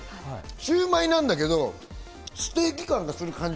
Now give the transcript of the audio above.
シウマイなんだけどステーキ感がする。